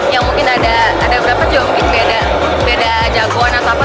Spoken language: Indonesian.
yang mungkin ada berapa juga mungkin beda jagoan atau apa